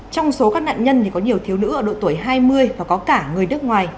trong số các nạn nhân có nhiều thiếu nữ ở độ tuổi hai mươi và có cả người nước ngoài